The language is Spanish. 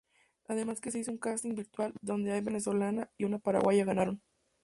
Además que se hizo un casting virtual donde una Venezolana y una Paraguaya ganaron.